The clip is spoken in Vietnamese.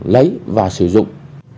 lấy và sử dụng